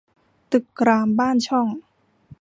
ตึกรามบ้านช่อง